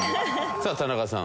さあ田中さん。